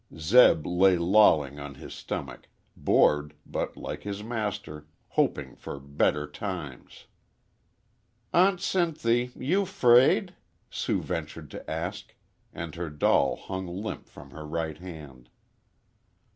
Zeb lay lolling on his stomach, bored, but, like his master, hoping for better times. "Aunt Sinthy you 'fraid?" Sue ventured to ask, and her doll hung limp from her right hand.